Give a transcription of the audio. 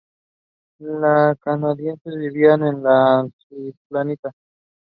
He then studied medicine at the University of Bologna.